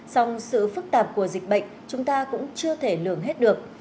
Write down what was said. song sự phức tạp của dịch bệnh chúng ta cũng chưa thể lường hết được